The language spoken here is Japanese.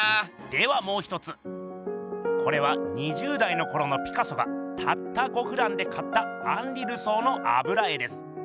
ではもう一つこれは２０代のころのピカソがたった５フランで買ったアンリ・ルソーのあぶら絵です。